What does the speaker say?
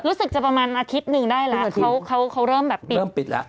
รู้สึกจะประมาณอาทิตย์หนึ่งได้แล้วเขาเขาเริ่มแบบปิดเริ่มปิดแล้ว